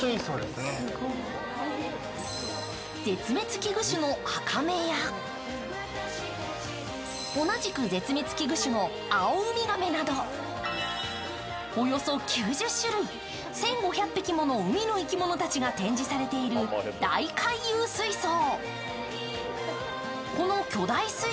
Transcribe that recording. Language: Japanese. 絶滅危惧種のアカメや同じく絶滅危惧種のアオウミガメなどおよそ９０種類、１５００匹もの海の生き物たちが展示されている大回遊水槽。